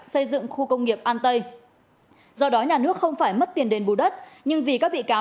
xây dựng khu công nghiệp an tây do đó nhà nước không phải mất tiền đền bù đất nhưng vì các bị cáo